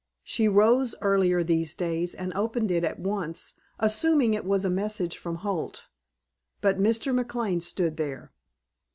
She rose earlier these days and opened it at once, assuming that it was a message from Holt. But Mr. McLane stood there.